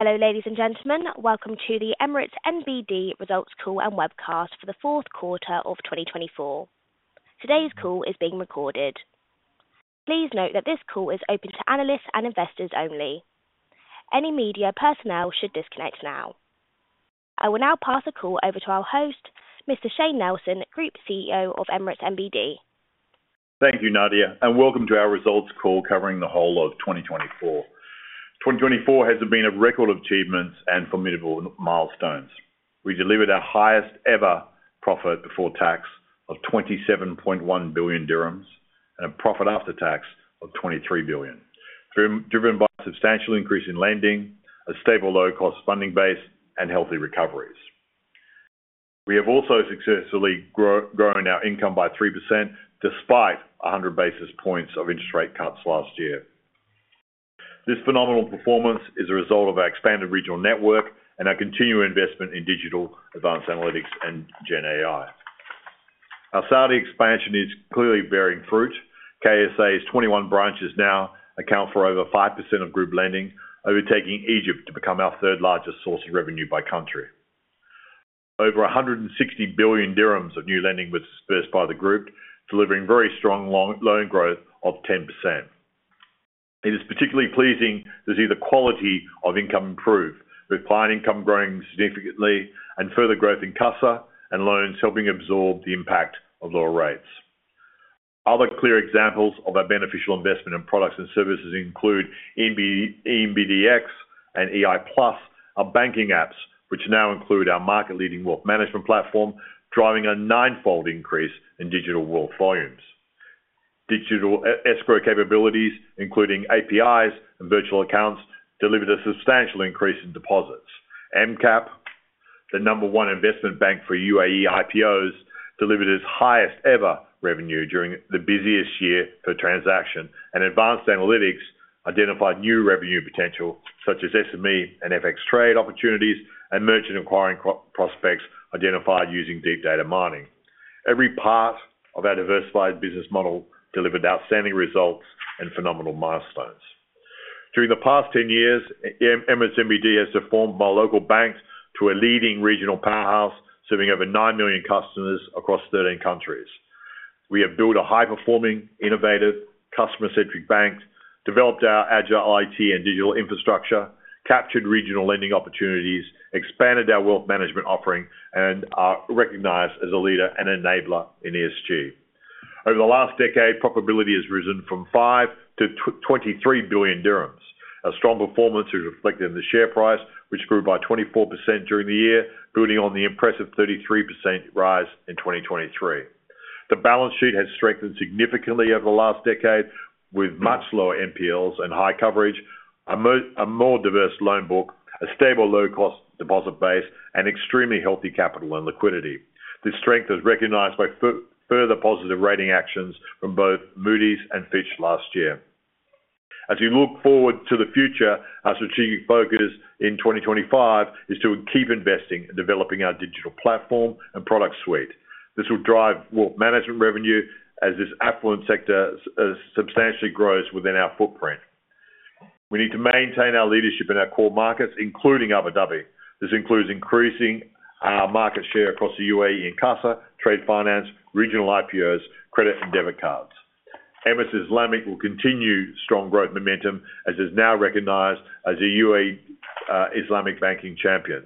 Hello, ladies and gentlemen. Welcome to the Emirates NBD Results Call and Webcast for the fourth quarter of 2024. Today's call is being recorded. Please note that this call is open to analysts and investors only. Any media personnel should disconnect now. I will now pass the call over to our host, Mr. Shayne Nelson, Group CEO of Emirates NBD. Thank you, Nadia, and welcome to our results call covering the whole of 2024. 2024 has been a record of achievements and formidable milestones. We delivered our highest-ever profit before tax of 27.1 billion dirhams and a profit after tax of 23 billion, driven by a substantial increase in lending, a stable low-cost funding base, and healthy recoveries. We have also successfully grown our income by 3% despite 100 basis points of interest rate cuts last year. This phenomenal performance is a result of our expanded regional network and our continued investment in digital advanced analytics and GenAI. Our Saudi expansion is clearly bearing fruit. KSA's 21 branches now account for over 5% of group lending, overtaking Egypt to become our third-largest source of revenue by country. Over 160 billion dirhams of new lending was dispersed by the group, delivering very strong loan growth of 10%. It is particularly pleasing to see the quality of income improve, with client income growing significantly and further growth in CASA and loans helping absorb the impact of lower rates. Other clear examples of our beneficial investment in products and services include ENBD X and EI Plus, our banking apps, which now include our market-leading wealth management platform, driving a ninefold increase in digital wealth volumes. Digital escrow capabilities, including APIs and virtual accounts, delivered a substantial increase in deposits. Emirates NBD Capital, the number one investment bank for UAE IPOs, delivered its highest-ever revenue during the busiest year for transaction, and advanced analytics identified new revenue potential, such as SME and FX trade opportunities and merchant acquiring prospects identified using deep data mining. Every part of our diversified business model delivered outstanding results and phenomenal milestones. During the past 10 years, Emirates NBD has transformed our local bank to a leading regional powerhouse, serving over nine million customers across 13 countries. We have built a high-performing, innovative, customer-centric bank, developed our agile IT and digital infrastructure, captured regional lending opportunities, expanded our wealth management offering, and are recognized as a leader and enabler in ESG. Over the last decade, profitability has risen from 5 billion to 23 billion dirhams. Our strong performance is reflected in the share price, which grew by 24% during the year, building on the impressive 33% rise in 2023. The balance sheet has strengthened significantly over the last decade, with much lower NPLs and high coverage, a more diverse loan book, a stable low-cost deposit base, and extremely healthy capital and liquidity. This strength is recognized by further positive rating actions from both Moody's and Fitch last year. As we look forward to the future, our strategic focus in 2025 is to keep investing and developing our digital platform and product suite. This will drive wealth management revenue as this affluent sector substantially grows within our footprint. We need to maintain our leadership in our core markets, including Abu Dhabi. This includes increasing our market share across the UAE in CASA, trade finance, regional IPOs, credit, and debit cards. Emirates Islamic will continue strong growth momentum as it is now recognized as a UAE Islamic banking champion.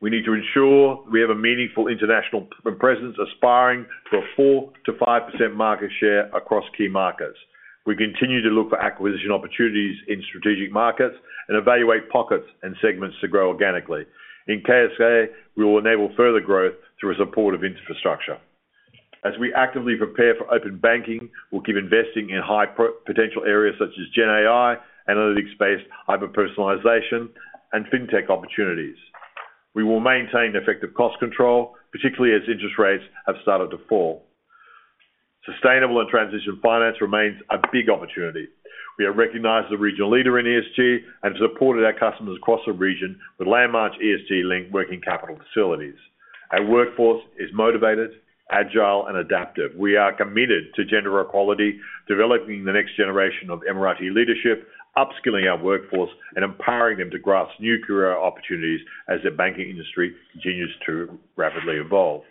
We need to ensure we have a meaningful international presence, aspiring to a 4%-5% market share across key markets. We continue to look for acquisition opportunities in strategic markets and evaluate pockets and segments to grow organically. In KSA, we will enable further growth through a support of infrastructure. As we actively prepare for open banking, we'll keep investing in high-potential areas such as GenAI, analytics-based hyper-personalization, and fintech opportunities. We will maintain effective cost control, particularly as interest rates have started to fall. Sustainable and transition finance remains a big opportunity. We have recognized the regional leader in ESG and supported our customers across the region with landmark ESG-linked working capital facilities. Our workforce is motivated, agile, and adaptive. We are committed to gender equality, developing the next generation of Emirati leadership, upskilling our workforce, and empowering them to grasp new career opportunities as the banking industry continues to rapidly evolve.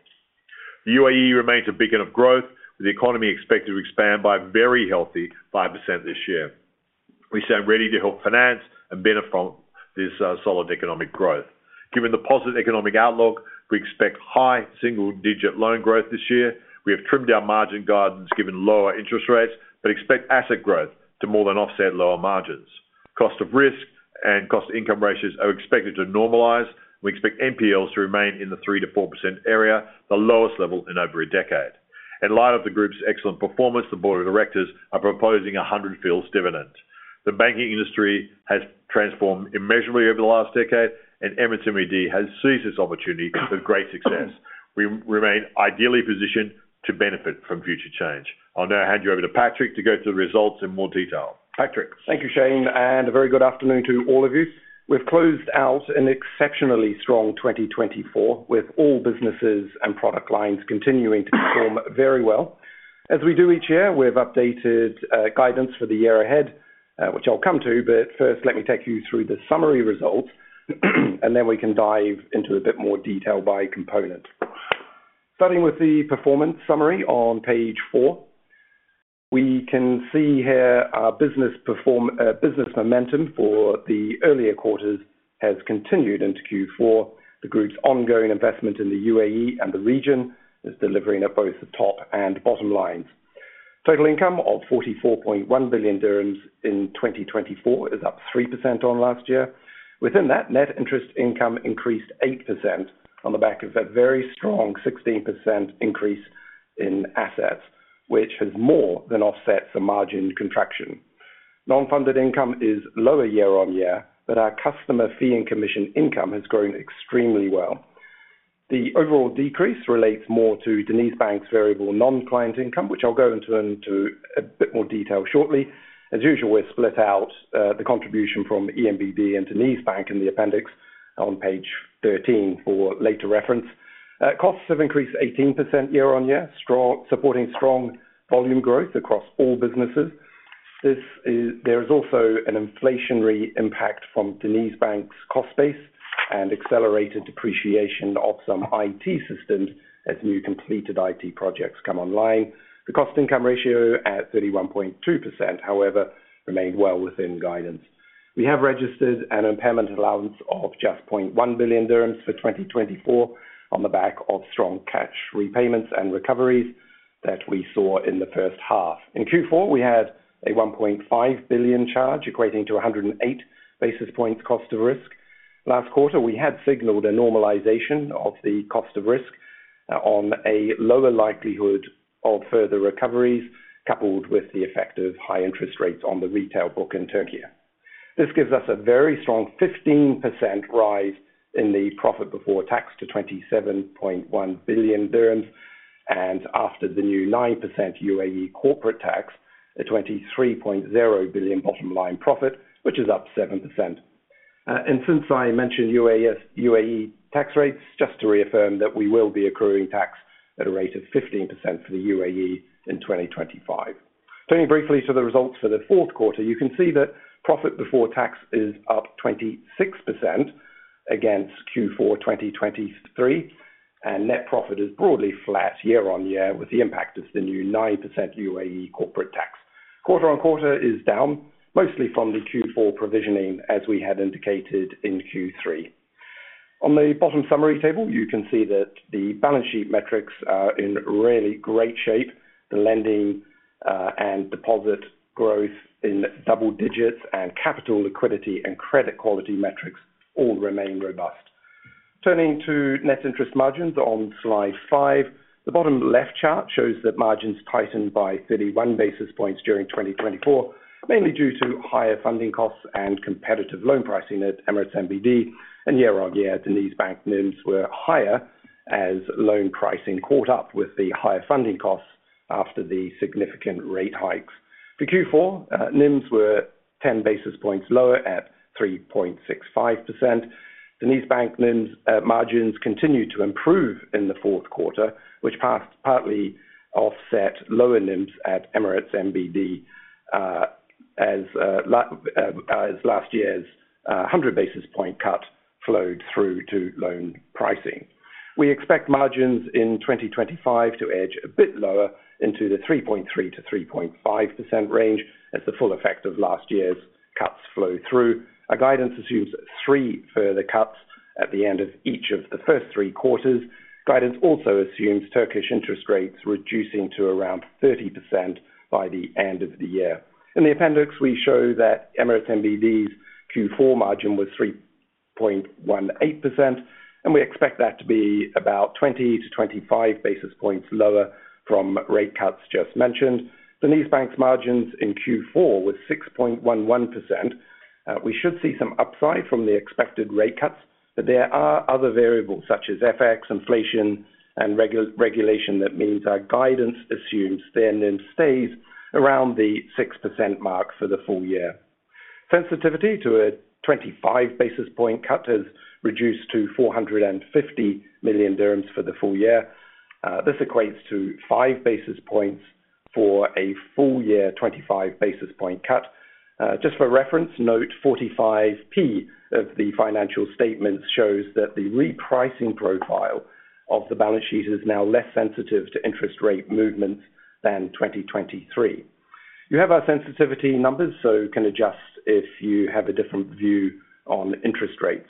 The UAE remains a beacon of growth, with the economy expected to expand by a very healthy 5% this year. We stand ready to help finance and benefit from this solid economic growth. Given the positive economic outlook, we expect high single-digit loan growth this year. We have trimmed our margin guidance, given lower interest rates, but expect asset growth to more than offset lower margins. Cost of risk and cost of income ratios are expected to normalize. We expect NPLs to remain in the 3%-4% area, the lowest level in over a decade. In light of the group's excellent performance, the board of directors are proposing a 100-fils dividend. The banking industry has transformed immeasurably over the last decade, and Emirates NBD has seized this opportunity with great success. We remain ideally positioned to benefit from future change. I'll now hand you over to Patrick to go through the results in more detail. Patrick. Thank you, Shayne, and a very good afternoon to all of you. We've closed out an exceptionally strong 2024, with all businesses and product lines continuing to perform very well. As we do each year, we've updated guidance for the year ahead, which I'll come to, but first, let me take you through the summary results, and then we can dive into a bit more detail by component. Starting with the performance summary on page four, we can see here our business momentum for the earlier quarters has continued into Q4. The group's ongoing investment in the UAE and the region is delivering at both the top and bottom lines. Total income of 44.1 billion dirhams in 2024 is up 3% on last year. Within that, net interest income increased 8% on the back of a very strong 16% increase in assets, which has more than offset the margin contraction. Non-funded income is lower year-on-year, but our customer fee and commission income has grown extremely well. The overall decrease relates more to DenizBank's variable non-client income, which I'll go into a bit more detail shortly. As usual, we've split out the contribution from EMBD and DenizBank in the appendix on page 13 for later reference. Costs have increased 18% year-on-year, supporting strong volume growth across all businesses. There is also an inflationary impact from DenizBank's cost base and accelerated depreciation of some IT systems as new completed IT projects come online. The cost-income ratio at 31.2%, however, remained well within guidance. We have registered an impairment allowance of just 0.1 billion dirhams for 2024 on the back of strong cash repayments and recoveries that we saw in the first half. In Q4, we had a 1.5 billion charge equating to 108 basis points cost of risk. Last quarter, we had signaled a normalization of the cost of risk on a lower likelihood of further recoveries, coupled with the effect of high interest rates on the retail book in Türkiye. This gives us a very strong 15% rise in the profit before tax to 27.1 billion dirhams, and after the new 9% UAE corporate tax, a 23.0 billion bottom line profit, which is up 7%. And since I mentioned UAE tax rates, just to reaffirm that we will be accruing tax at a rate of 15% for the UAE in 2025. Turning briefly to the results for the fourth quarter, you can see that profit before tax is up 26% against Q4 2023, and net profit is broadly flat year-on-year with the impact of the new 9% UAE corporate tax. Quarter on quarter is down, mostly from the Q4 provisioning, as we had indicated in Q3. On the bottom summary table, you can see that the balance sheet metrics are in really great shape. The lending and deposit growth in double digits and capital liquidity and credit quality metrics all remain robust. Turning to net interest margins on slide five, the bottom left chart shows that margins tightened by 31 basis points during 2024, mainly due to higher funding costs and competitive loan pricing at Emirates NBD. Year-on-year, DenizBank NIMs were higher as loan pricing caught up with the higher funding costs after the significant rate hikes. For Q4, NIMs were 10 basis points lower at 3.65%. DenizBank NIMs margins continued to improve in the fourth quarter, which partly offset lower NIMs at Emirates NBD as last year's 100 basis point cut flowed through to loan pricing. We expect margins in 2025 to edge a bit lower into the 3.3%-3.5% range as the full effect of last year's cuts flow through. Our guidance assumes three further cuts at the end of each of the first three quarters. Guidance also assumes Turkish interest rates reducing to around 30% by the end of the year. In the appendix, we show that Emirates NBD's Q4 margin was 3.18%, and we expect that to be about 20-25 basis points lower from rate cuts just mentioned. DenizBank's margins in Q4 were 6.11%. We should see some upside from the expected rate cuts, but there are other variables such as FX, inflation, and regulation that means our guidance assumes their NIM stays around the 6% mark for the full year. Sensitivity to a 25 basis point cut has reduced to 450 million dirhams for the full year. This equates to five basis points for a full year 25 basis point cut. Just for reference, note 45P of the financial statements shows that the repricing profile of the balance sheet is now less sensitive to interest rate movements than 2023. You have our sensitivity numbers, so you can adjust if you have a different view on interest rates.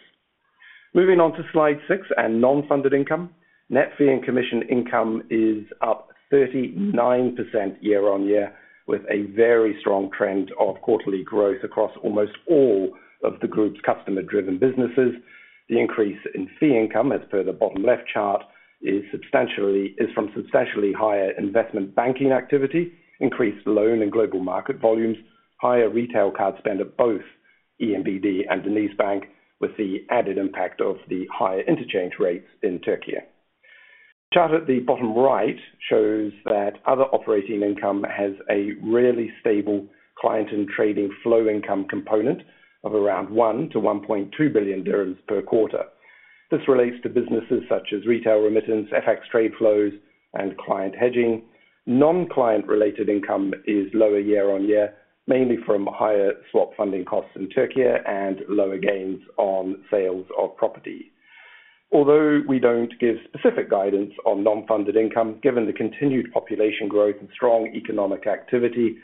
Moving on to slide six and non-funded income, net fee and commission income is up 39% year-on-year, with a very strong trend of quarterly growth across almost all of the group's customer-driven businesses. The increase in fee income, as per the bottom left chart, is from substantially higher investment banking activity, increased loan and global market volumes, higher retail card spend at both EMBD and DenizBank, with the added impact of the higher interchange rates in Türkiye. The chart at the bottom right shows that other operating income has a really stable client and trading flow income component of around 1 billion to 1.2 billion dirhams per quarter. This relates to businesses such as retail remittance, FX trade flows, and client hedging. Non-client-related income is lower year-on-year, mainly from higher swap funding costs in Türkiye and lower gains on sales of property. Although we don't give specific guidance on non-funded income, given the continued population growth and strong economic activity,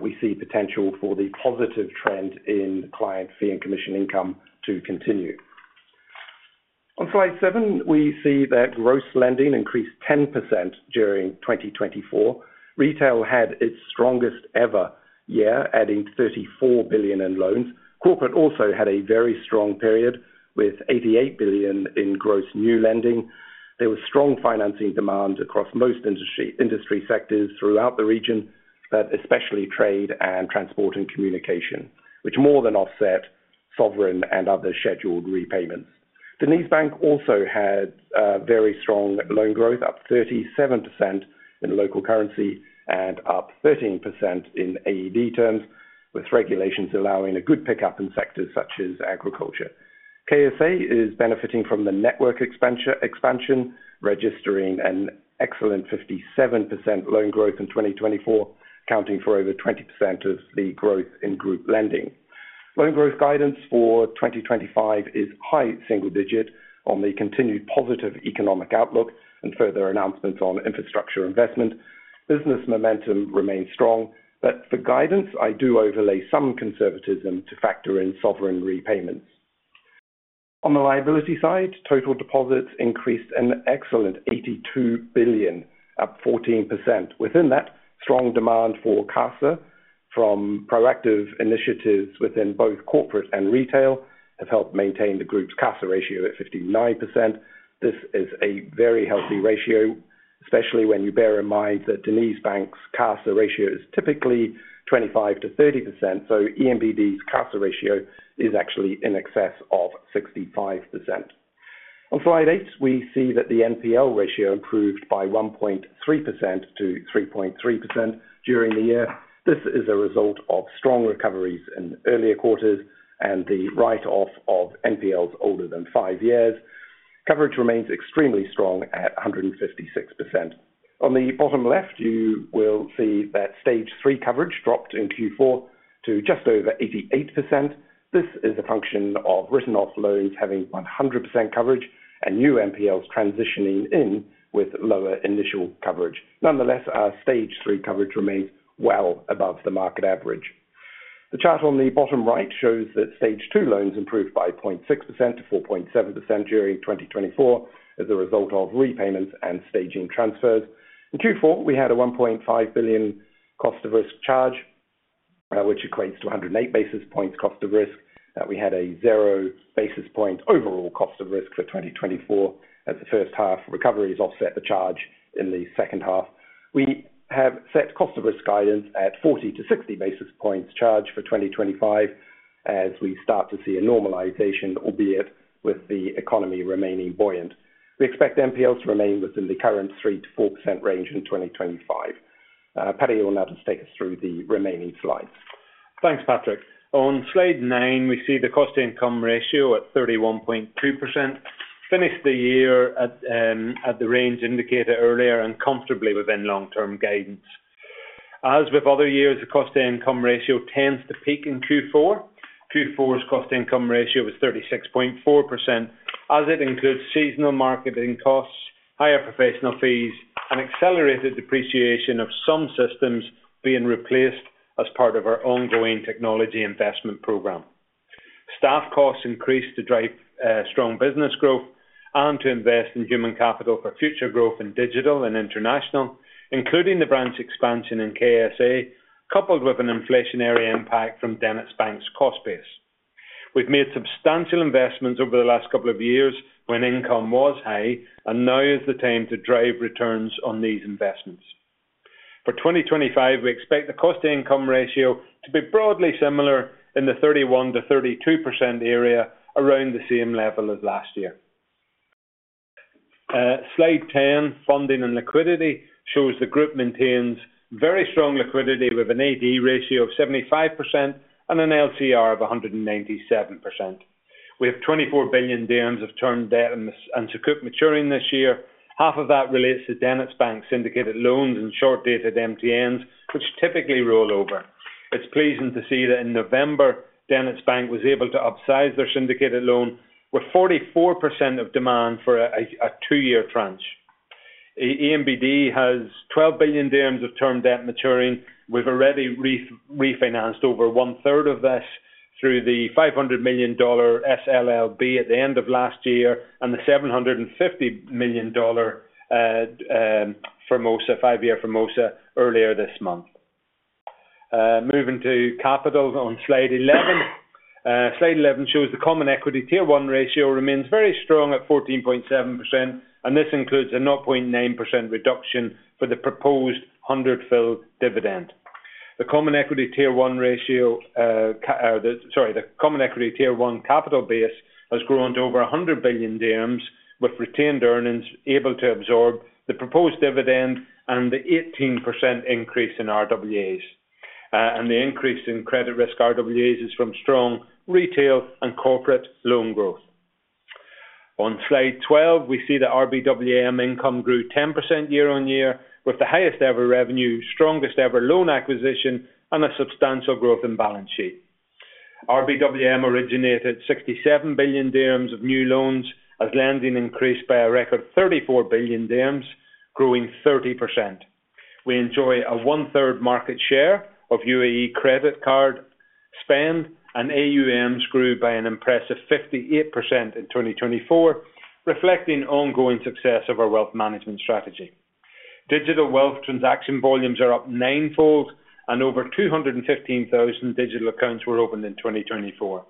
we see potential for the positive trend in client fee and commission income to continue. On slide seven, we see that gross lending increased 10% during 2024. Retail had its strongest ever year, adding 34 billion in loans. Corporate also had a very strong period with 88 billion in gross new lending. There was strong financing demand across most industry sectors throughout the region, but especially trade and transport and communication, which more than offset sovereign and other scheduled repayments. DenizBank also had very strong loan growth, up 37% in local currency and up 13% in AED terms, with regulations allowing a good pickup in sectors such as agriculture. KSA is benefiting from the network expansion, registering an excellent 57% loan growth in 2024, accounting for over 20% of the growth in group lending. Loan growth guidance for 2025 is high single digit on the continued positive economic outlook and further announcements on infrastructure investment. Business momentum remains strong, but for guidance, I do overlay some conservatism to factor in sovereign repayments. On the liability side, total deposits increased an excellent 82 billion, up 14%. Within that, strong demand for CASA from proactive initiatives within both corporate and retail have helped maintain the group's CASA ratio at 59%. This is a very healthy ratio, especially when you bear in mind that DenizBank's CASA ratio is typically 25%-30%, so EMBD's CASA ratio is actually in excess of 65%. On slide eight, we see that the NPL ratio improved by 1.3% to 3.3% during the year. This is a result of strong recoveries in earlier quarters and the write-off of NPLs older than five years. Coverage remains extremely strong at 156%. On the bottom left, you will see that stage three coverage dropped in Q4 to just over 88%. This is a function of written-off loans having 100% coverage and new NPLs transitioning in with lower initial coverage. Nonetheless, our stage three coverage remains well above the market average. The chart on the bottom right shows that stage two loans improved by 0.6% to 4.7% during 2024 as a result of repayments and staging transfers. In Q4, we had a 1.5 billion cost of risk charge, which equates to 108 basis points cost of risk. We had a zero basis point overall cost of risk for 2024 as the first half recoveries offset the charge in the second half. We have set cost of risk guidance at 40 to 60 basis points charge for 2025 as we start to see a normalization, albeit with the economy remaining buoyant. We expect NPLs to remain within the current 3%-4% range in 2025. Patrick will now just take us through the remaining slides. Thanks, Patrick. On slide nine, we see the cost income ratio at 31.2%, finished the year at the range indicated earlier and comfortably within long-term guidance. As with other years, the cost income ratio tends to peak in Q4. Q4's cost income ratio was 36.4% as it includes seasonal marketing costs, higher professional fees, and accelerated depreciation of some systems being replaced as part of our ongoing technology investment program. Staff costs increased to drive strong business growth and to invest in human capital for future growth in digital and international, including the branch expansion in KSA, coupled with an inflationary impact from DenizBank's cost base. We've made substantial investments over the last couple of years when income was high, and now is the time to drive returns on these investments. For 2025, we expect the cost-to-income ratio to be broadly similar in the 31%-32% area, around the same level as last year. Slide 10, funding and liquidity, shows the group maintains very strong liquidity with an AD ratio of 75% and an LCR of 197%. We have 24 billion dirhams of term debt and securities maturing this year. Half of that relates to DenizBank's syndicated loans and short-dated MTNs, which typically roll over. It's pleasing to see that in November, DenizBank was able to upsize their syndicated loan with 44% of demand for a two-year tranche. EMBD has 12 billion dirhams of term debt maturing. We've already refinanced over one-third of this through the $500 million SLLB at the end of last year and the $750 million Formosa, five-year Formosa, earlier this month. Moving to capital on slide 11. Slide 11 shows the Common Equity Tier 1 ratio remains very strong at 14.7%, and this includes a 0.9% reduction for the proposed 100 fils dividend. The Common Equity Tier 1 ratio, sorry, the Common Equity Tier 1 capital base has grown to over 100 billion dirhams, with retained earnings able to absorb the proposed dividend and the 18% increase in RWAs, and the increase in credit risk RWAs is from strong retail and corporate loan growth. On slide 12, we see that RBWM income grew 10% year-on-year, with the highest ever revenue, strongest ever loan acquisition, and a substantial growth in balance sheet. RBWM originated 67 billion dirhams of new loans as lending increased by a record 34 billion dirhams, growing 30%. We enjoy a one-third market share of UAE credit card spend, and AUMs grew by an impressive 58% in 2024, reflecting ongoing success of our wealth management strategy. Digital wealth transaction volumes are up nine-fold, and over 215,000 digital accounts were opened in 2024.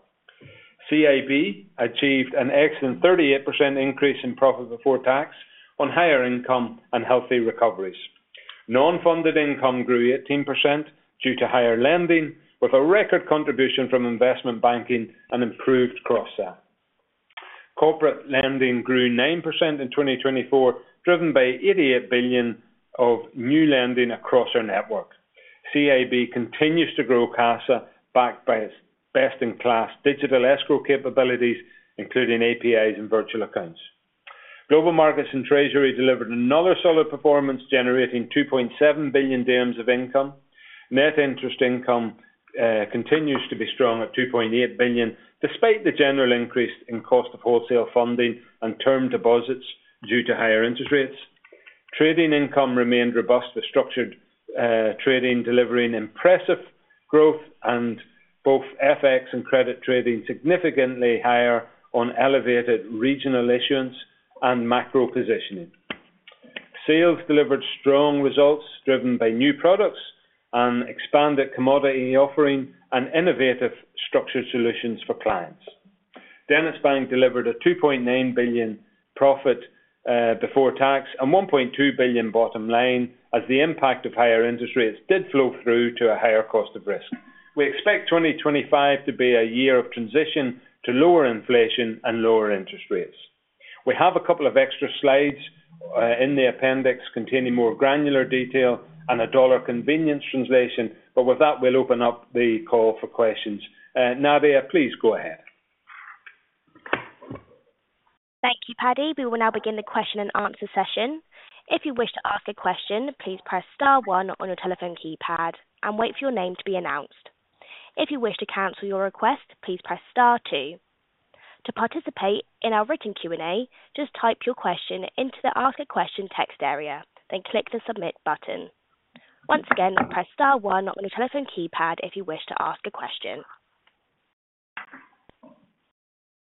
CIB achieved an excellent 38% increase in profit before tax on higher income and healthy recoveries. Non-funded income grew 18% due to higher lending, with a record contribution from investment banking and improved cross-sell. Corporate lending grew 9% in 2024, driven by 88 billion of new lending across our network. CIB continues to grow CASA backed by its best-in-class digital escrow capabilities, including APIs and virtual accounts. Global markets and treasury delivered another solid performance, generating 2.7 billion dirhams of income. Net interest income continues to be strong at 2.8 billion, despite the general increase in cost of wholesale funding and term deposits due to higher interest rates. Trading income remained robust for structured trading, delivering impressive growth and both FX and credit trading significantly higher on elevated regional issuance and macro positioning. Sales delivered strong results, driven by new products and expanded commodity offering and innovative structured solutions for clients. DenizBank delivered a 2.9 billion profit before tax and 1.2 billion bottom line as the impact of higher interest rates did flow through to a higher cost of risk. We expect 2025 to be a year of transition to lower inflation and lower interest rates. We have a couple of extra slides in the appendix containing more granular detail and a dollar convenience translation, but with that, we'll open up the call for questions. Nadia, please go ahead. Thank you, Patrick. We will now begin the question and answer session. If you wish to ask a question, please press star one on your telephone keypad and wait for your name to be announced. If you wish to cancel your request, please press star two. To participate in our written Q&A, just type your question into the ask a question text area, then click the submit button. Once again, press star one on your telephone keypad if you wish to ask a question.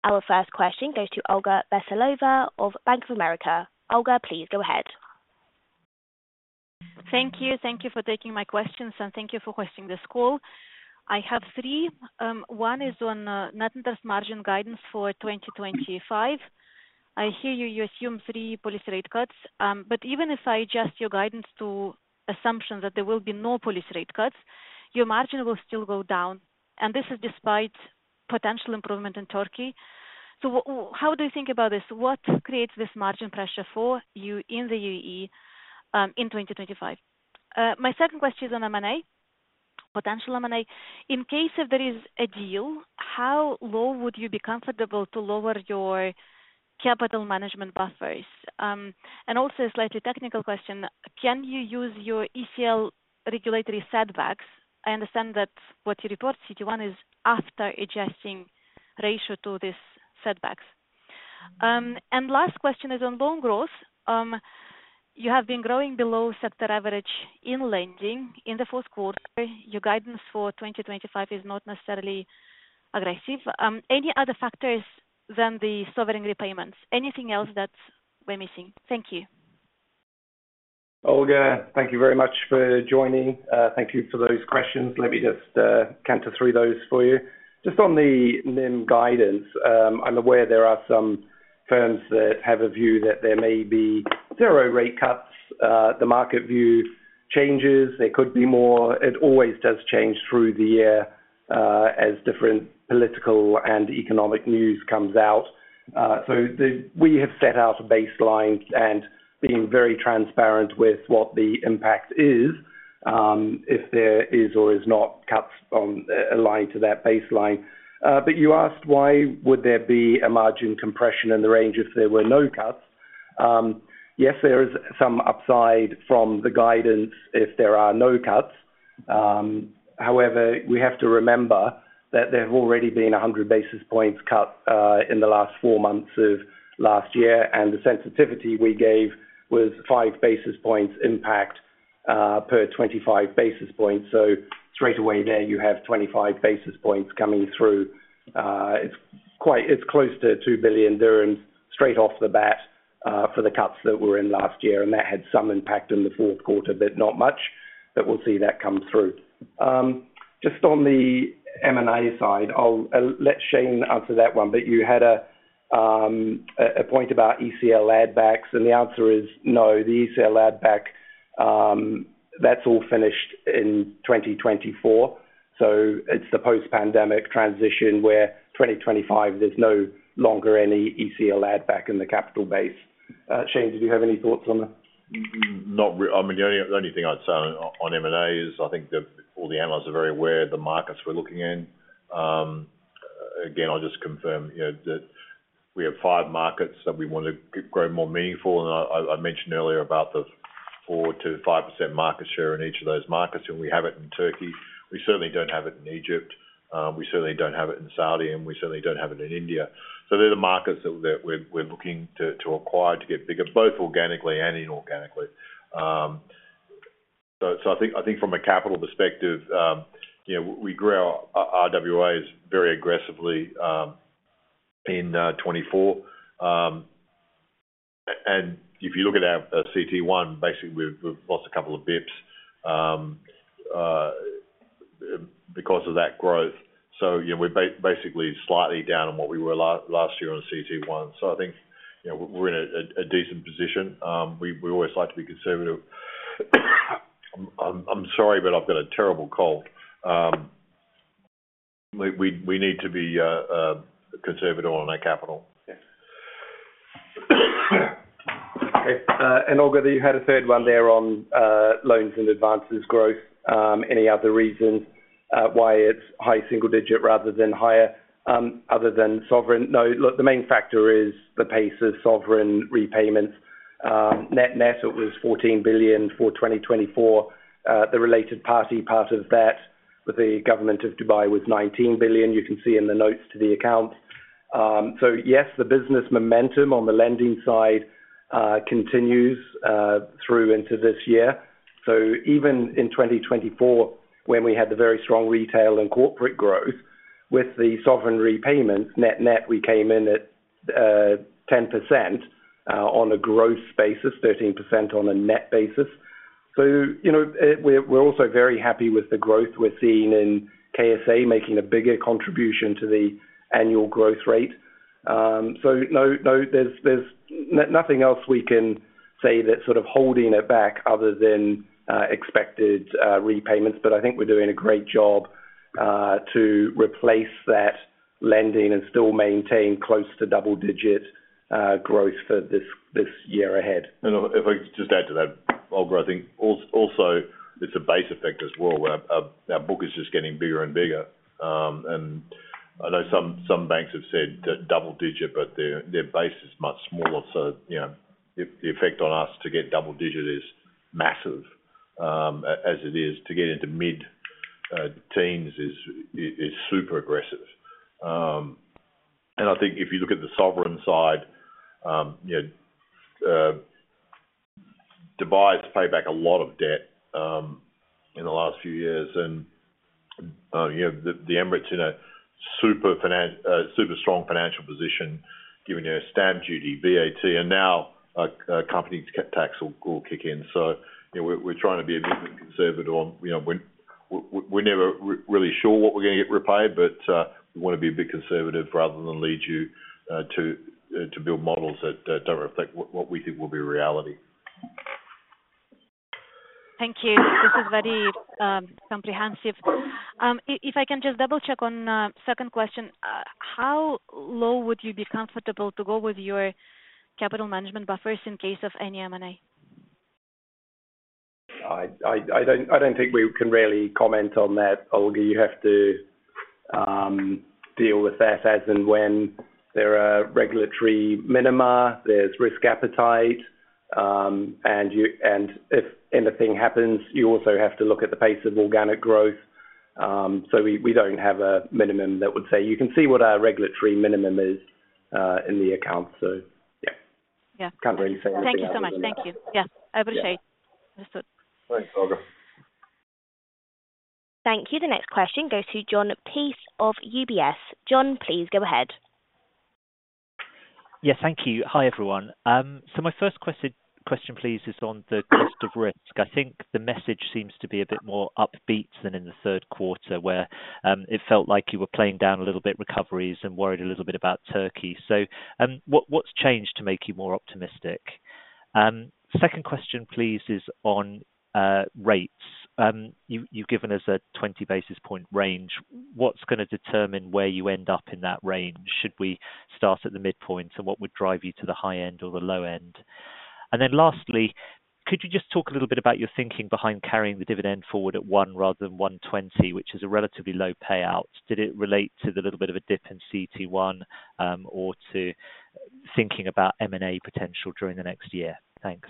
Our first question goes to Olga Veselova of Bank of America. Olga, please go ahead. Thank you. Thank you for taking my questions, and thank you for hosting this call. I have three. One is on net interest margin guidance for 2025. I hear you, you assume three policy rate cuts, but even if I adjust your guidance to assumption that there will be no policy rate cuts, your margin will still go down, and this is despite potential improvement in Turkey. So how do you think about this? What creates this margin pressure for you in the UAE in 2025? My second question is on M&A, potential M&A. In case if there is a deal, how low would you be comfortable to lower your capital management buffers? And also a slightly technical question. Can you use your ECL regulatory setbacks? I understand that what you report, CT1, is after adjusting ratio to this setbacks. And last question is on loan growth. You have been growing below sector average in lending in the fourth quarter. Your guidance for 2025 is not necessarily aggressive. Any other factors than the sovereign repayments? Anything else that we're missing? Thank you. Olga, thank you very much for joining. Thank you for those questions. Let me just run through those for you. Just on the NIM guidance, I'm aware there are some firms that have a view that there may be zero rate cuts. The market view changes. There could be more. It always does change through the year as different political and economic news comes out. So we have set out a baseline and been very transparent with what the impact is if there is or is not cuts aligned to that baseline. But you asked why would there be a margin compression in the range if there were no cuts. Yes, there is some upside from the guidance if there are no cuts. However, we have to remember that there have already been 100 basis points cut in the last four months of last year, and the sensitivity we gave was five basis points impact per 25 basis points. So straight away there, you have 25 basis points coming through. It's close to 2 billion dirhams straight off the bat for the cuts that were in last year, and that had some impact in the fourth quarter, but not much that we'll see that come through. Just on the M&A side, I'll let Shayne answer that one, but you had a point about ECL add-backs, and the answer is no. The ECL add-back, that's all finished in 2024. So it's the post-pandemic transition where 2025, there's no longer any ECL add-back in the capital base. Shayne, did you have any thoughts on that? Not really. I mean, the only thing I'd say on M&A is I think all the analysts are very aware of the markets we're looking in. Again, I'll just confirm that we have five markets that we want to grow more meaningful. And I mentioned earlier about the 4% to 5% market share in each of those markets, and we have it in Turkey. We certainly don't have it in Egypt. We certainly don't have it in Saudi, and we certainly don't have it in India. So they're the markets that we're looking to acquire to get bigger, both organically and inorganically. So I think from a capital perspective, we grew our RWAs very aggressively in 2024. And if you look at our CT1, basically, we've lost a couple of basis points because of that growth. So we're basically slightly down on what we were last year on CT1. So I think we're in a decent position. We always like to be conservative. I'm sorry, but I've got a terrible cold. We need to be conservative on our capital. Okay. And Olga, you had a third one there on loans and advances growth. Any other reasons why it's high single digit rather than higher other than sovereign? No, look, the main factor is the pace of sovereign repayments. Net-net, it was 14 billion for 2024. The related party part of that with the Government of Dubai was 19 billion. You can see in the notes to the accounts. So yes, the business momentum on the lending side continues through into this year. So even in 2024, when we had the very strong retail and corporate growth with the sovereign repayments, net-net, we came in at 10% on a gross basis, 13% on a net basis. So we're also very happy with the growth we're seeing in KSA making a bigger contribution to the annual growth rate. No, there's nothing else we can say that's sort of holding it back other than expected repayments, but I think we're doing a great job to replace that lending and still maintain close to double-digit growth for this year ahead. And if I just add to that, Olga, I think also it's a base effect as well. Our book is just getting bigger and bigger. And I know some banks have said double digit, but their base is much smaller. So the effect on us to get double digit is massive as it is. To get into mid-teens is super aggressive. And I think if you look at the sovereign side, Dubai has paid back a lot of debt in the last few years. And the Emirates are in a super strong financial position, giving you a stamp duty, VAT, and now company tax will kick in. So we're trying to be a bit more conservative. We're never really sure what we're going to get repaid, but we want to be a bit conservative rather than lead you to build models that don't reflect what we think will be reality. Thank you. This is very comprehensive. If I can just double-check on the second question, how low would you be comfortable to go with your capital management buffers in case of any M&A? I don't think we can really comment on that, Olga. You have to deal with that as and when. There are regulatory minima, there's risk appetite, and if anything happens, you also have to look at the pace of organic growth. So we don't have a minimum that would say you can see what our regulatory minimum is in the account. So yeah, can't really say anything about that. Thank you so much. Thank you. Yeah, I appreciate it. Thanks, Olga. Thank you. The next question goes to Jon Peace of UBS. John, please go ahead. Yes, thank you. Hi, everyone. So my first question, please, is on the cost of risk. I think the message seems to be a bit more upbeat than in the third quarter where it felt like you were playing down a little bit recoveries and worried a little bit about Turkey. So what's changed to make you more optimistic? Second question, please, is on rates. You've given us a 20 basis point range. What's going to determine where you end up in that range? Should we start at the midpoint, and what would drive you to the high end or the low end? And then lastly, could you just talk a little bit about your thinking behind carrying the dividend forward at one rather than 120, which is a relatively low payout? Did it relate to the little bit of a dip in CT1 or to thinking about M&A potential during the next year? Thanks.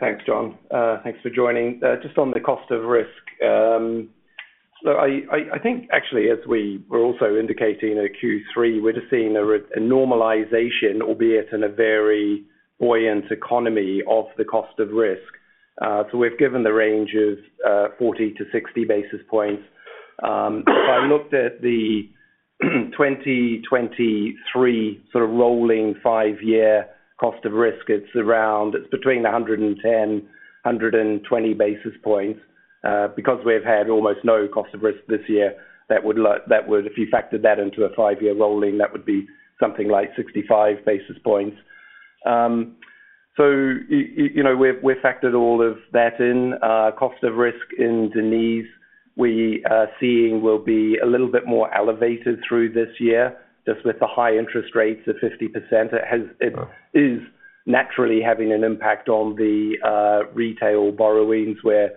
Thanks, John. Thanks for joining. Just on the cost of risk, so I think actually, as we were also indicating in Q3, we're just seeing a normalization, albeit in a very buoyant economy of the cost of risk. So we've given the range of 40-60 basis points. If I looked at the 2023 sort of rolling five-year cost of risk, it's between 110-120 basis points. Because we've had almost no cost of risk this year, that would, if you factored that into a five-year rolling, that would be something like 65 basis points. So we've factored all of that in. Cost of risk in Deniz, we are seeing will be a little bit more elevated through this year, just with the high interest rates of 50%. It is naturally having an impact on the retail borrowings where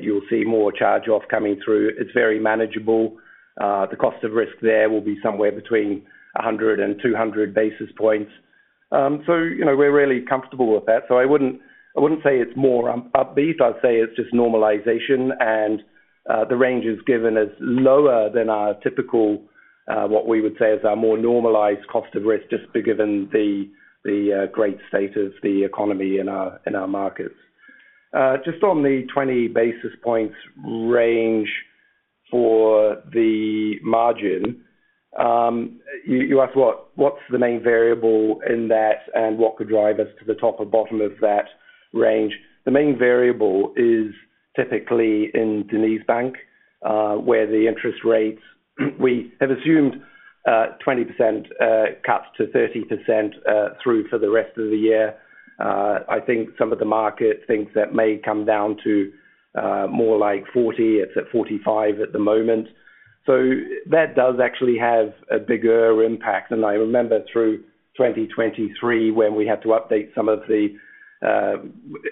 you'll see more charge-off coming through. It's very manageable. The cost of risk there will be somewhere between 100 and 200 basis points. So we're really comfortable with that. So I wouldn't say it's more upbeat. I'd say it's just normalization, and the range is given as lower than our typical, what we would say is our more normalized cost of risk, just given the great state of the economy in our markets. Just on the 20 basis points range for the margin, you asked what's the main variable in that and what could drive us to the top or bottom of that range. The main variable is typically in DenizBank, where the interest rates, we have assumed 20% cuts to 30% through for the rest of the year. I think some of the market thinks that may come down to more like 40%. It's at 45% at the moment. So that does actually have a bigger impact. And I remember through 2023 when we had to update some of the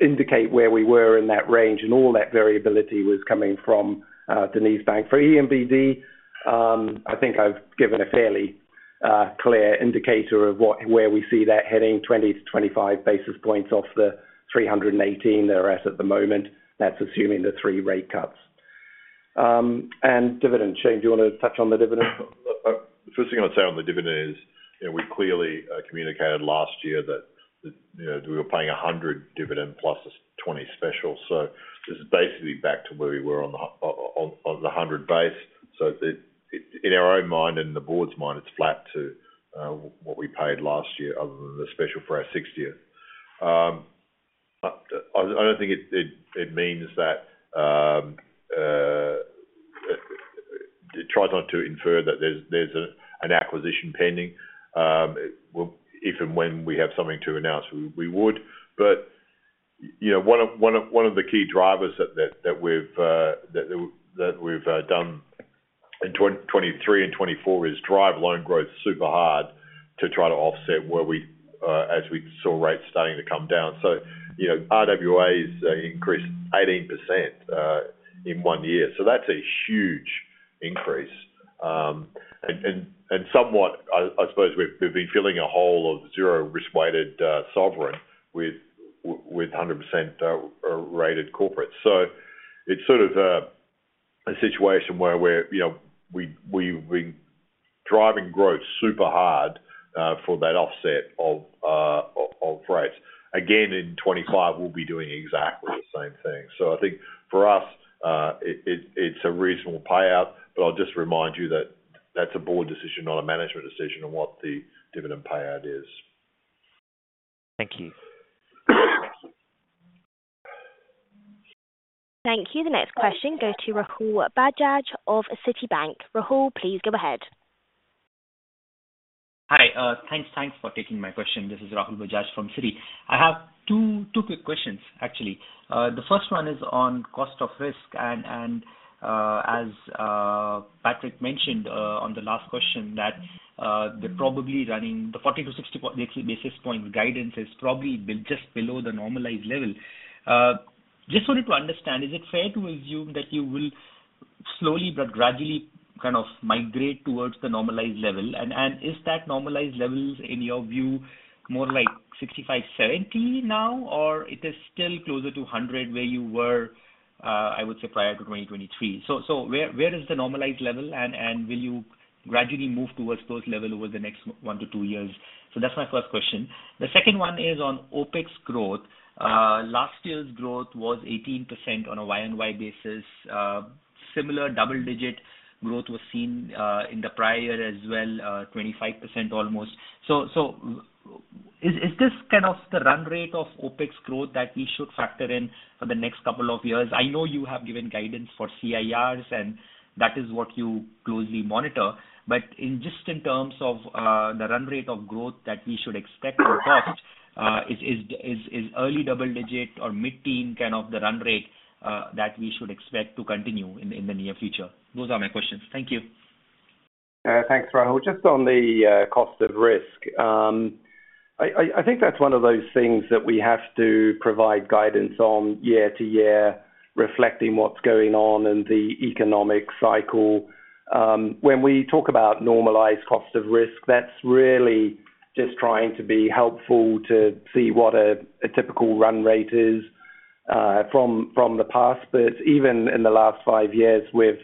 indicators where we were in that range, and all that variability was coming from DenizBank. For EMBD, I think I've given a fairly clear indicator of where we see that heading, 20-25 basis points off the 318 they're at the moment. That's assuming the three rate cuts. And dividend, Shayne, do you want to touch on the dividend? The first thing I'd say on the dividend is we clearly communicated last year that we were paying 100 dividend plus 20 special, so this is basically back to where we were on the 100 base, so in our own mind and the board's mind, it's flat to what we paid last year other than the special for our 60th. I don't think it means that it tries not to infer that there's an acquisition pending. If and when we have something to announce, we would. But one of the key drivers that we've done in 2023 and 2024 is drive loan growth super hard to try to offset where we as we saw rates starting to come down, so RWAs increased 18% in one year. So that's a huge increase, and somewhat, I suppose, we've been filling a hole of zero risk-weighted sovereign with 100% rated corporates. So it's sort of a situation where we've been driving growth super hard for that offset of rates. Again, in 2025, we'll be doing exactly the same thing. So I think for us, it's a reasonable payout, but I'll just remind you that that's a board decision, not a management decision on what the dividend payout is. Thank you. Thank you. The next question goes to Rahul Bajaj of Citibank. Rahul, please go ahead. Hi. Thanks for taking my question. This is Rahul Bajaj from Citi. I have two quick questions, actually. The first one is on cost of risk. And as Patrick mentioned on the last question, that they're probably running the 40-60 basis point guidance is probably just below the normalized level. Just wanted to understand, is it fair to assume that you will slowly but gradually kind of migrate towards the normalized level? And is that normalized level, in your view, more like 65, 70 now, or it is still closer to 100 where you were, I would say, prior to 2023? So where is the normalized level, and will you gradually move towards those levels over the next one to two years? So that's my first question. The second one is on OpEx growth. Last year's growth was 18% on a Y and Y basis. Similar double-digit growth was seen in the prior as well, almost 25%. So is this kind of the run rate of OpEx growth that we should factor in for the next couple of years? I know you have given guidance for CIRs, and that is what you closely monitor. But just in terms of the run rate of growth that we should expect to cost, is early double-digit or mid-teen kind of the run rate that we should expect to continue in the near future? Those are my questions. Thank you. Thanks, Rahul. Just on the cost of risk, I think that's one of those things that we have to provide guidance on year to year, reflecting what's going on and the economic cycle. When we talk about normalized cost of risk, that's really just trying to be helpful to see what a typical run rate is from the past. But even in the last five years, we've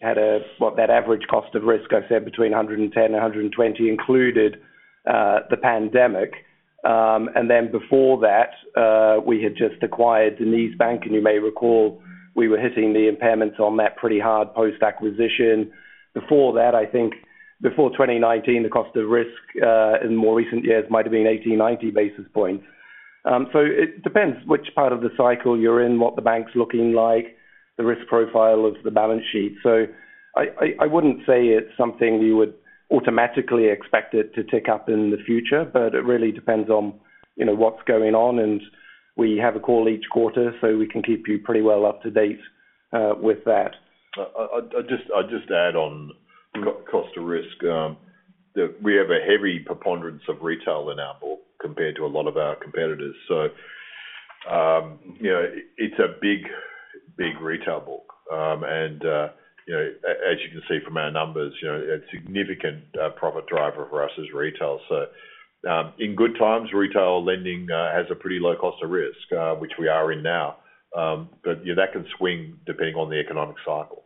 had that average cost of risk, I said, between 110 and 120, included the pandemic. And then before that, we had just acquired DenizBank, and you may recall we were hitting the impairments on that pretty hard post-acquisition. Before that, I think before 2019, the cost of risk in more recent years might have been 80-90 basis points. So it depends which part of the cycle you're in, what the bank's looking like, the risk profile of the balance sheet. So I wouldn't say it's something you would automatically expect it to tick up in the future, but it really depends on what's going on. And we have a call each quarter, so we can keep you pretty well up to date with that. I'll just add on cost of risk. We have a heavy preponderance of retail in our book compared to a lot of our competitors. So it's a big, big retail book. And as you can see from our numbers, a significant profit driver for us is retail. So in good times, retail lending has a pretty low cost of risk, which we are in now. But that can swing depending on the economic cycle.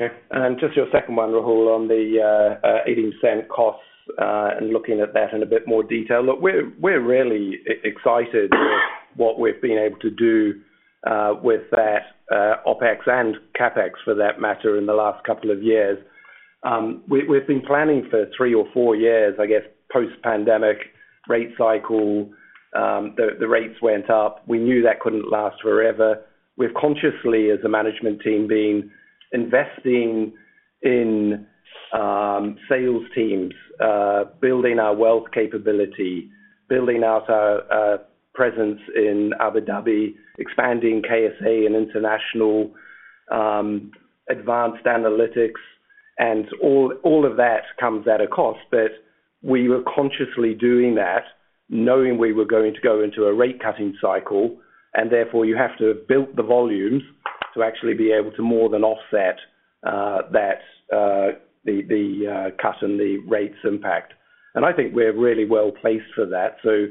Okay, and just your second one, Rahul, on the 18% costs and looking at that in a bit more detail. Look, we're really excited with what we've been able to do with that OpEx and CapEx, for that matter, in the last couple of years. We've been planning for three or four years, I guess, post-pandemic rate cycle, the rates went up. We knew that couldn't last forever, we've consciously, as a management team, been investing in sales teams, building our wealth capability, building out our presence in Abu Dhabi, expanding KSA and international advanced analytics, and all of that comes at a cost, but we were consciously doing that, knowing we were going to go into a rate-cutting cycle, and therefore, you have to have built the volumes to actually be able to more than offset the cut and the rates impact. I think we're really well placed for that. So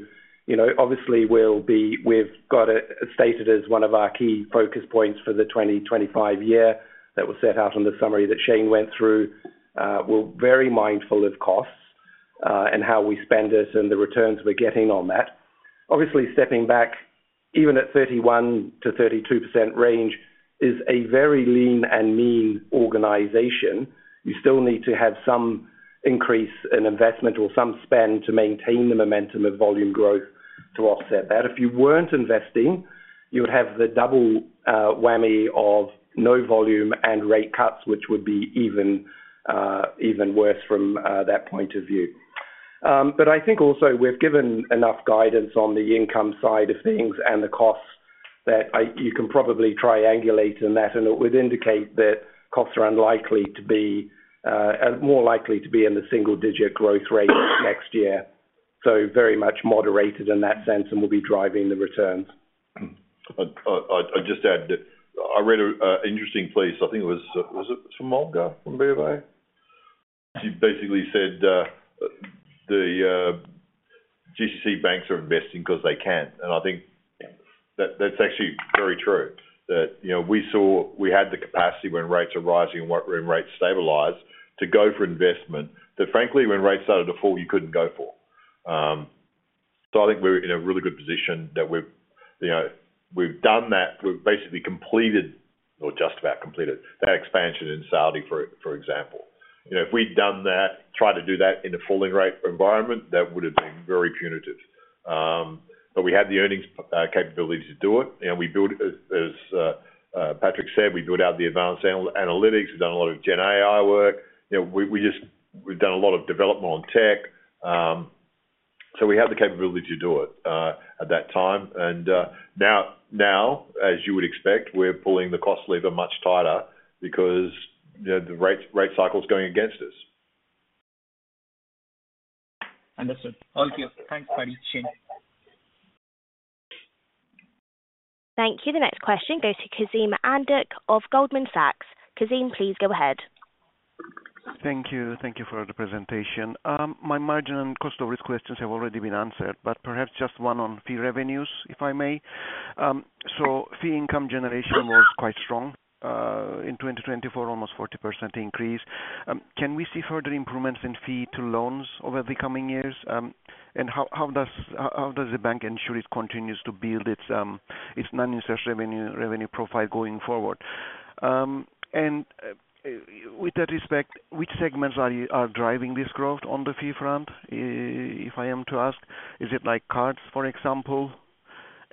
obviously, we've got it stated as one of our key focus points for the 2025 year that was set out in the summary that Shayne went through. We're very mindful of costs and how we spend it and the returns we're getting on that. Obviously, stepping back, even at 31%-32% range is a very lean and mean organization. You still need to have some increase in investment or some spend to maintain the momentum of volume growth to offset that. If you weren't investing, you would have the double whammy of no volume and rate cuts, which would be even worse from that point of view. But I think also we've given enough guidance on the income side of things and the costs that you can probably triangulate in that. It would indicate that costs are unlikely to be more likely to be in the single-digit growth rate next year. Very much moderated in that sense and will be driving the returns. I'd just add that I read an interesting piece. I think it was from Olga from BofA. She basically said the GCC banks are investing because they can. And I think that's actually very true that we had the capacity when rates are rising and when rates stabilize to go for investment that, frankly, when rates started to fall, you couldn't go for. So I think we're in a really good position that we've done that. We've basically completed, or just about completed, that expansion in Saudi, for example. If we'd done that, tried to do that in a falling rate environment, that would have been very punitive. But we had the earnings capability to do it. And as Patrick said, we built out the advanced analytics. We've done a lot of GenAI work. We've done a lot of development on tech. So we had the capability to do it at that time. And now, as you would expect, we're pulling the cost lever much tighter because the rate cycle is going against us. Understood. Thank you. Thanks, Patrick, Shayne. Thank you. The next question goes to Kazim Andac of Goldman Sachs. Kazim, please go ahead. Thank you. Thank you for the presentation. My margin and cost of risk questions have already been answered, but perhaps just one on fee revenues, if I may. So fee income generation was quite strong in 2024, almost 40% increase. Can we see further improvements in fee to loans over the coming years? And how does the bank ensure it continues to build its non-interest revenue profile going forward? And with that respect, which segments are driving this growth on the fee front, if I am to ask? Is it like cards, for example?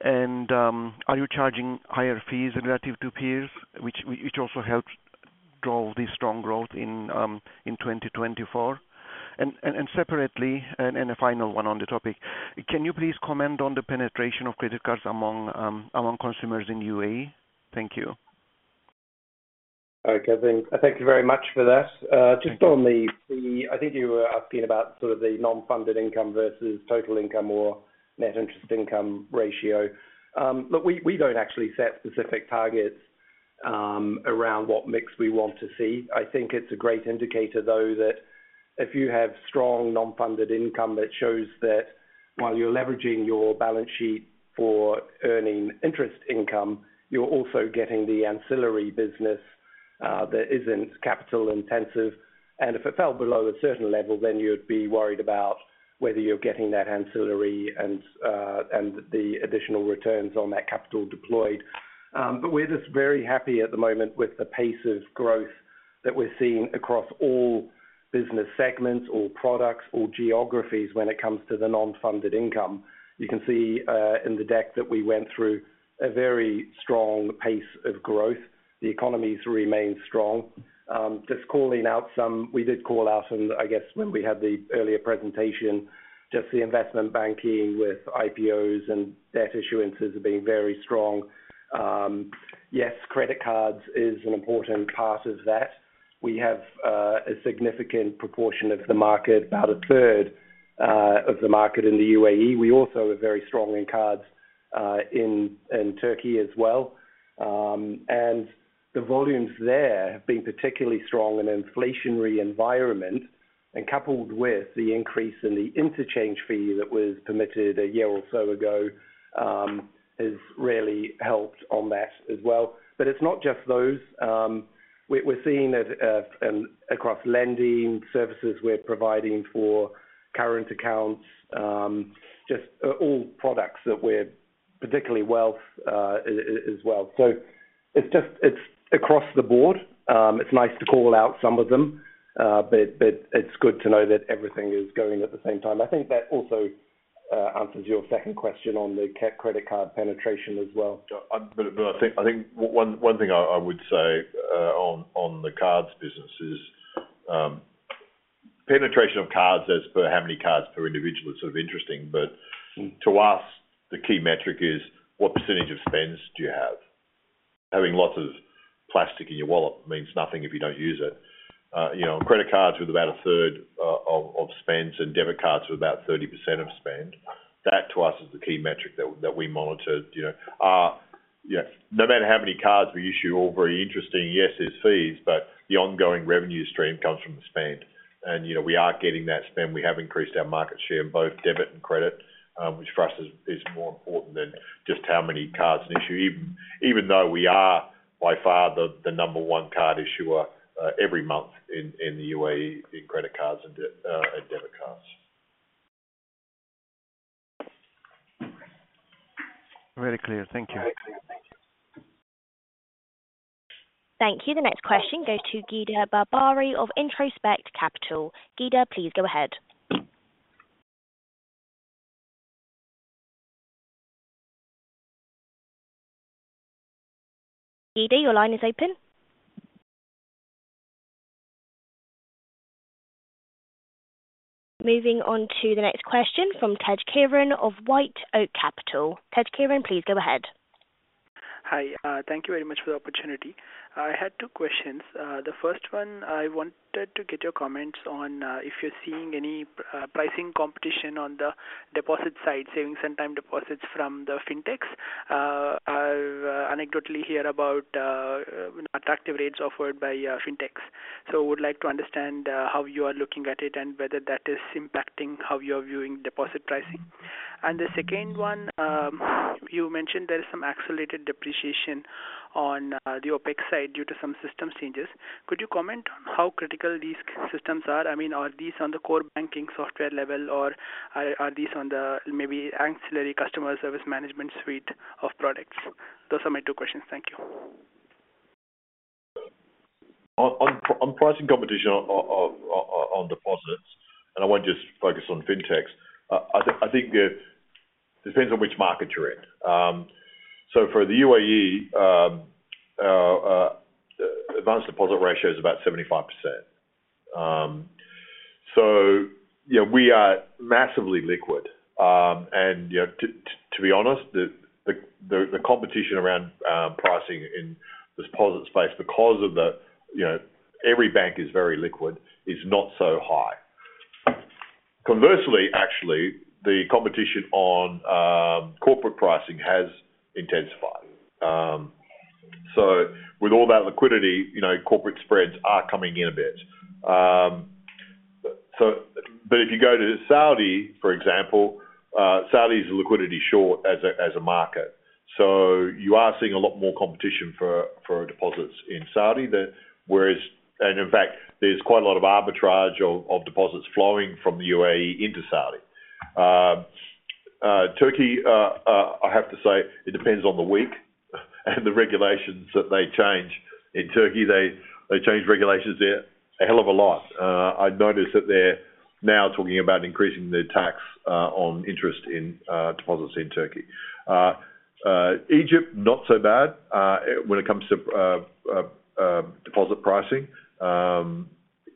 And are you charging higher fees relative to peers, which also helps drive this strong growth in 2024? And separately, and a final one on the topic, can you please comment on the penetration of credit cards among consumers in the UAE? Thank you. Okay. Thank you very much for that. Just on the fee, I think you were asking about sort of the non-funded income versus total income or net interest income ratio. Look, we don't actually set specific targets around what mix we want to see. I think it's a great indicator, though, that if you have strong non-funded income, it shows that while you're leveraging your balance sheet for earning interest income, you're also getting the ancillary business that isn't capital-intensive. And if it fell below a certain level, then you'd be worried about whether you're getting that ancillary and the additional returns on that capital deployed. But we're just very happy at the moment with the pace of growth that we're seeing across all business segments, all products, all geographies when it comes to the non-funded income. You can see in the deck that we went through a very strong pace of growth. The economies remain strong. Just calling out some, we did call out, and I guess when we had the earlier presentation, just the investment banking with IPOs and debt issuances have been very strong. Yes, credit cards is an important part of that. We have a significant proportion of the market, about a third of the market in the UAE. We also are very strong in cards in Turkey as well. And the volumes there have been particularly strong in an inflationary environment. And coupled with the increase in the interchange fee that was permitted a year or so ago has really helped on that as well. But it's not just those. We're seeing it across lending services we're providing for current accounts, just all products that we're particularly wealth as well. So it's across the board. It's nice to call out some of them, but it's good to know that everything is going at the same time. I think that also answers your second question on the credit card penetration as well. But I think one thing I would say on the cards business is penetration of cards as per how many cards per individual is sort of interesting. But to us, the key metric is what percentage of spends do you have? Having lots of plastic in your wallet means nothing if you don't use it. Credit cards with about a third of spends, and debit cards with about 30% of spend. That, to us, is the key metric that we monitor. No matter how many cards we issue, all very interesting, yes, there's fees, but the ongoing revenue stream comes from the spend. And we are getting that spend. We have increased our market share in both debit and credit, which for us is more important than just how many cards we issue, even though we are by far the number one card issuer every month in the UAE in credit cards and debit cards. Very clear. Thank you. Thank you. The next question goes to Ghida Barbari of Introspect Capital. Ghida, please go ahead. Ghida, your line is open. Moving on to the next question from Tej Kiran of White Oak Capital. Tej Kiran, please go ahead. Hi. Thank you very much for the opportunity. I had two questions. The first one, I wanted to get your comments on if you're seeing any pricing competition on the deposit side, saving some time deposits from the Fintechs. I've anecdotally heard about attractive rates offered by Fintechs. So I would like to understand how you are looking at it and whether that is impacting how you are viewing deposit pricing. And the second one, you mentioned there is some accelerated depreciation on the OpEx side due to some systems changes. Could you comment on how critical these systems are? I mean, are these on the core banking software level, or are these on the maybe ancillary customer service management suite of products? Those are my two questions. Thank you. On pricing competition on deposits, and I won't just focus on Fintechs. I think it depends on which market you're in. So for the UAE, advances to deposit ratio is about 75%. So we are massively liquid. And to be honest, the competition around pricing in this deposit space because every bank is very liquid is not so high. Conversely, actually, the competition on corporate pricing has intensified. So with all that liquidity, corporate spreads are coming in a bit. But if you go to Saudi, for example, Saudi is liquidity short as a market. So you are seeing a lot more competition for deposits in Saudi. And in fact, there's quite a lot of arbitrage of deposits flowing from the UAE into Saudi. Turkey, I have to say, it depends on the week and the regulations that they change. In Turkey, they change regulations there a hell of a lot. I noticed that they're now talking about increasing the tax on interest in deposits in Turkey. Egypt, not so bad when it comes to deposit pricing.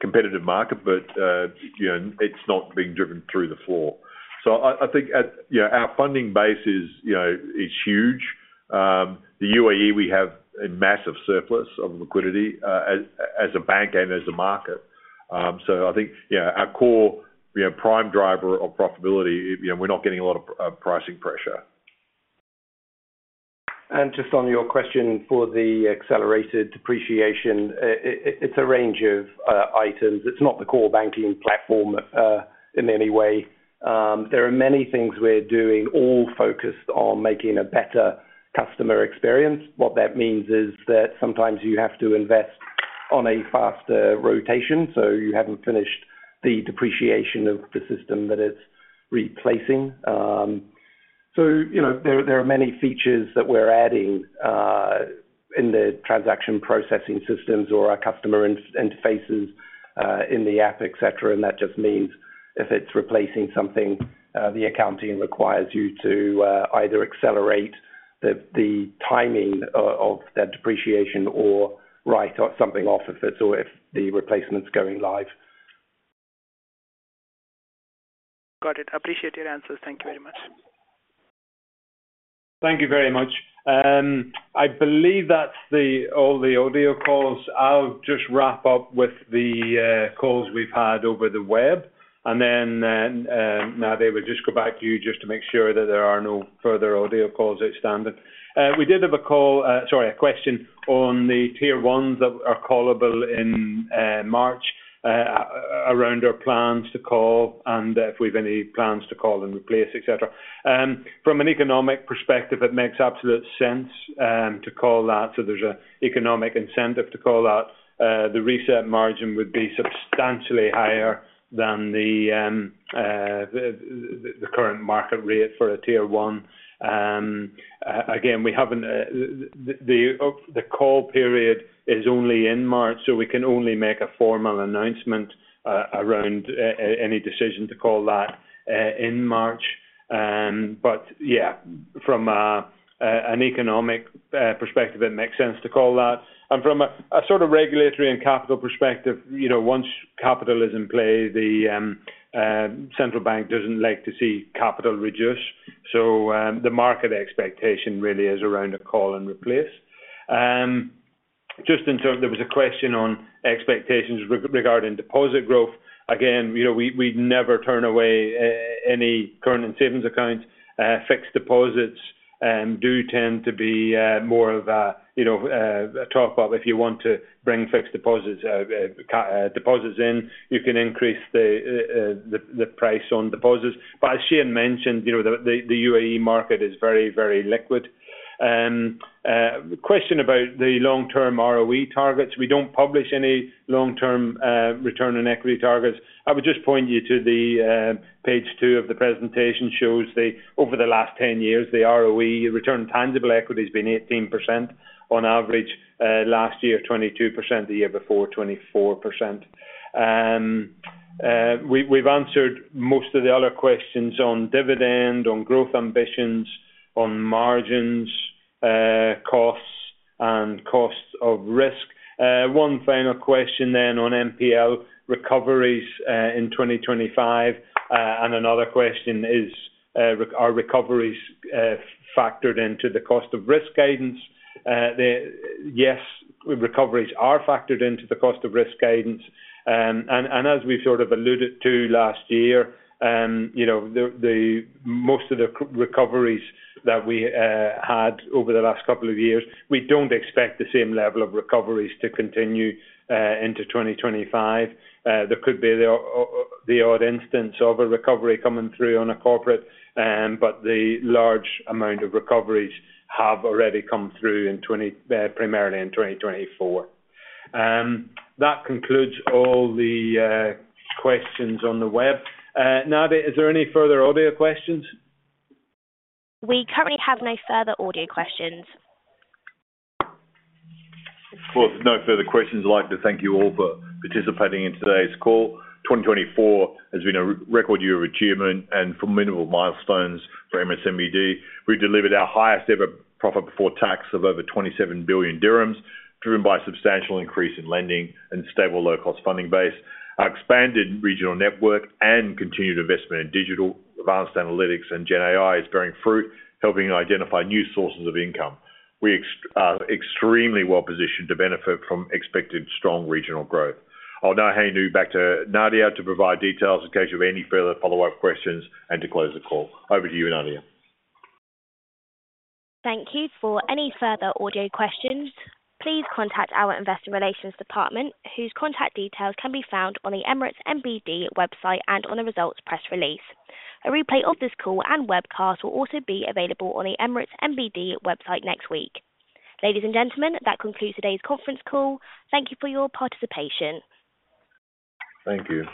Competitive market, but it's not being driven through the floor. So I think our funding base is huge. The UAE, we have a massive surplus of liquidity as a bank and as a market. So I think our core prime driver of profitability, we're not getting a lot of pricing pressure. And just on your question for the accelerated depreciation, it's a range of items. It's not the core banking platform in any way. There are many things we're doing all focused on making a better customer experience. What that means is that sometimes you have to invest on a faster rotation. So you haven't finished the depreciation of the system that it's replacing. So there are many features that we're adding in the transaction processing systems or our customer interfaces in the app, etc. And that just means if it's replacing something, the accounting requires you to either accelerate the timing of that depreciation or write something off of it or if the replacement's going live. Got it. Appreciate your answers. Thank you very much. Thank you very much. I believe that's all the audio calls. I'll just wrap up with the calls we've had over the web, and then Nadia will just go back to you just to make sure that there are no further audio calls outstanding. We did have a call, sorry, a question on the Tier 1s that are callable in March around our plans to call and if we have any plans to call and replace, etc. From an economic perspective, it makes absolute sense to call that. So there's an economic incentive to call that. The reset margin would be substantially higher than the current market rate for a Tier 1. Again, the call period is only in March, so we can only make a formal announcement around any decision to call that in March, but yeah, from an economic perspective, it makes sense to call that. From a sort of regulatory and capital perspective, once capital is in play, the central bank doesn't like to see capital reduce. So the market expectation really is around a call and replace. Just in terms there was a question on expectations regarding deposit growth. Again, we'd never turn away any current and savings accounts. Fixed deposits do tend to be more of a top-up. If you want to bring fixed deposits in, you can increase the price on deposits. But as Shayne mentioned, the UAE market is very, very liquid. Question about the long-term ROE targets. We don't publish any long-term return on equity targets. I would just point you to the page two of the presentation shows over the last 10 years, the ROE, return on tangible equity has been 18% on average. Last year, 22%. The year before, 24%. We've answered most of the other questions on dividend, on growth ambitions, on margins, costs, and costs of risk. One final question then on NPL recoveries in 2025. And another question is, are recoveries factored into the cost of risk guidance? Yes, recoveries are factored into the cost of risk guidance. And as we've sort of alluded to last year, most of the recoveries that we had over the last couple of years, we don't expect the same level of recoveries to continue into 2025. There could be the odd instance of a recovery coming through on a corporate, but the large amount of recoveries have already come through primarily in 2024. That concludes all the questions on the web. Nadia, is there any further audio questions? We currently have no further audio questions. No further questions. I'd like to thank you all for participating in today's call. 2024 has been a record year of achievement and formidable milestones for Emirates NBD. We delivered our highest-ever profit before tax of over 27 billion dirhams, driven by a substantial increase in lending and a stable low-cost funding base. Our expanded regional network and continued investment in digital, advanced analytics, and GenAI is bearing fruit, helping identify new sources of income. We are extremely well-positioned to benefit from expected strong regional growth. I'll now hand you back to Nadia to provide details in case you have any further follow-up questions and to close the call. Over to you, Nadia. Thank you for any further audio questions. Please contact our investor relations department, whose contact details can be found on the Emirates NBD website and on the results press release. A replay of this call and webcast will also be available on the Emirates NBD website next week. Ladies and gentlemen, that concludes today's conference call. Thank you for your participation. Thank you.